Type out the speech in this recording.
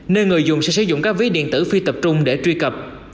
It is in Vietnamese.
nên người dùng sẽ sử dụng các ví điện tử phi tập trung để truy cập